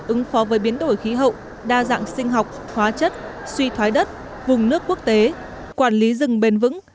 ứng phó với biến đổi khí hậu đa dạng sinh học hóa chất suy thoái đất vùng nước quốc tế quản lý rừng bền vững